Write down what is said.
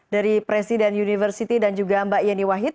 dari presiden university dan juga mbak yeni wahid